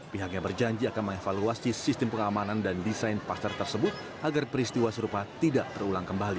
pihaknya berjanji akan mengevaluasi sistem pengamanan dan desain pasar tersebut agar peristiwa serupa tidak terulang kembali